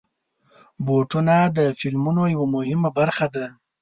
بوټونه د فلمونو یوه مهمه برخه ده.